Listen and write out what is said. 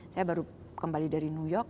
saya baru kembali dari new york